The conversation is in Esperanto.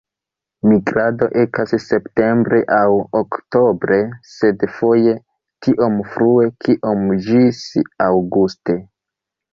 Migrado ekas septembre aŭ oktobre, sed foje tiom frue kiom ĝis aŭguste.